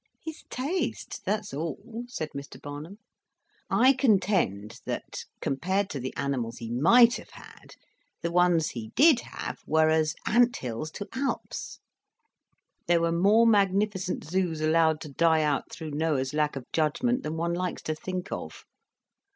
"His taste, that's all," said Mr. Barnum. "I contend that, compared to the animals he might have had, the ones he did have were as ant hills to Alps. There were more magnificent zoos allowed to die out through Noah's lack of judgment than one likes to think of.